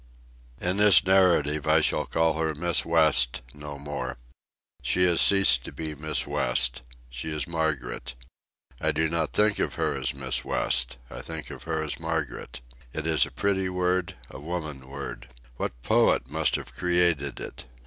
In this narrative I shall call her "Miss West" no more. She has ceased to be Miss West. She is Margaret. I do not think of her as Miss West. I think of her as Margaret. It is a pretty word, a woman word. What poet must have created it!